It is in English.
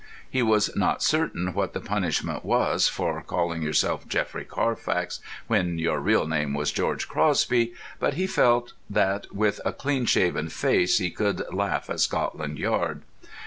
He was not certain what the punishment was for calling yourself Geoffrey Carfax when your real name was George Crosby, but he felt that with a clean shaven face he could laugh at Scotland Yard.